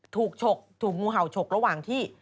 ฉกถูกงูเห่าฉกระหว่างที่